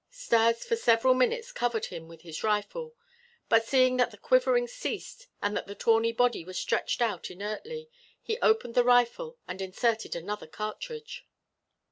Stas for several minutes covered him with his rifle, but seeing that the quivering ceased and that the tawny body was stretched out inertly, he opened the rifle and inserted another cartridge.